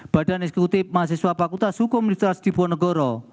badan eksekutif mahasiswa fakultas hukum universitas diponegoro